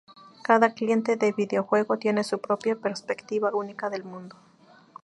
Cada cliente de videojuego tiene su propia perspectiva única del mundo.